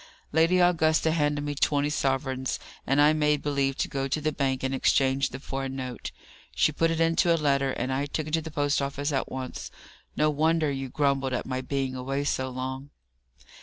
Lady Augusta handed me twenty sovereigns, and I made believe to go to the bank and exchange them for a note. She put it into a letter, and I took it to the post office at once. No wonder you grumbled at my being away so long!"